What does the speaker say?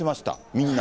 みんな。